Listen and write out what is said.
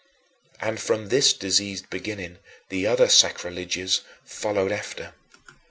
And from this diseased beginning, the other sacrileges followed after.